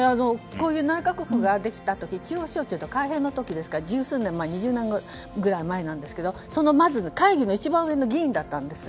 こういう内閣府ができたとき中央政府が改変の時ですから２０年ぐらい前なんですけどそのまず会議の一番上の議員だったんです。